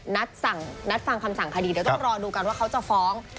นัดฟังคำสั่งคดีเดี๋ยวต้องรอดูกันว่าเขาจะฟ้อง